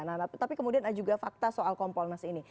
nah tapi kemudian ada juga fakta soal kompolnas ini